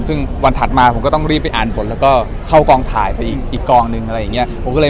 ซึ่งวันถัดมาผมก็ต้องรีบไปอ่านผลแล้วก็เข้ากองถ่ายไปอีกกองนึงอะไรอย่างนี้